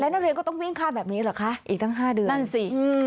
นักเรียนก็ต้องวิ่งข้ามแบบนี้เหรอคะอีกตั้ง๕เดือนนั่นสิ